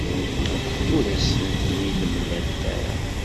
Ur asen-ten-id-mlant ara.